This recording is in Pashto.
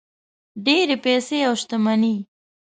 ډېرې پیسې او شتمني.